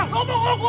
lo bukuk gue